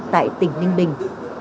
tại tỉnh ninh bình